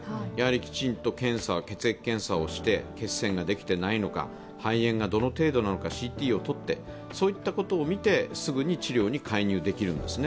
きちんと血液検査をして血栓ができていないのか、肺炎がどの程度なのか、ＣＴを撮って、そういったことですぐに治療に介入できるんですね。